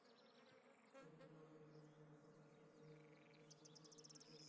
নতুন খেলোয়াড় তৈরির আশায় ভুটান গোটা দু-এক একাডেমি করেছে বেশ আগেই।